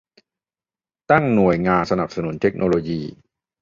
ตั้งหน่วยงานสนับสนุนเทคโนโลยี